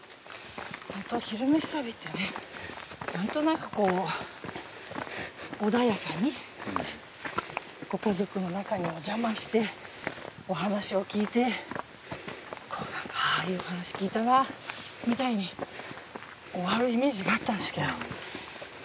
ホントは「昼めし旅」ってねなんとなく穏やかにご家族のなかにおじゃましてお話を聞いていいお話聞いたなみたいに終わるイメージがあったんですけど。